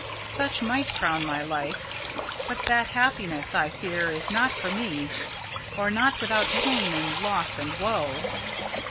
"Such might crown my life. But that happiness, I fear, is not for me or not without pain and loss and woe."